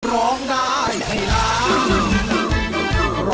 ร้องได้ให้ร้อง